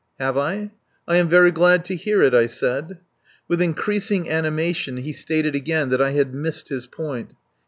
"Have I? I am very glad to hear it," I said. With increasing animation he stated again that I had missed his point.